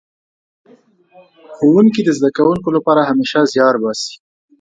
ښوونکي د زده کوونکو لپاره همېشه زيار باسي.